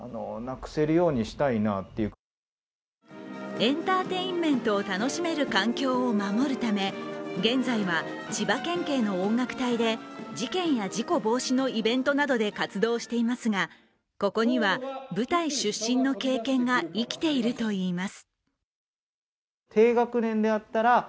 エンターテインメントを楽しめる環境を守るため、現在は千葉県警の音楽隊で事件や事故防止のイベントなどで活動していますがここには舞台出身の経験が生きているといいます。